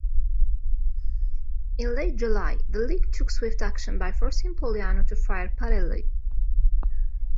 In late July, the league took swift action by forcing Pulliano to fire Parilli.